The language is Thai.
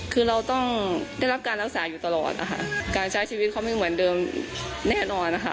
คือเราต้องได้รับการรักษาอยู่ตลอดนะคะการใช้ชีวิตเขาไม่เหมือนเดิมแน่นอนนะคะ